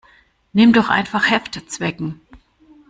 Nimm doch einfach Heftzwecken.